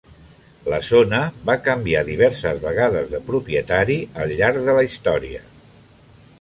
La zona va canviar diverses vegades de propietari al llarg de la història.